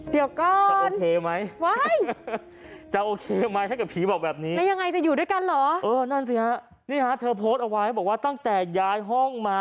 เดี๋ยวก่อนโอเคไหม